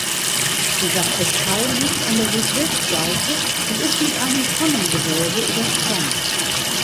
Die Sakristei liegt an der Südwestseite und ist mit einem Tonnengewölbe überspannt.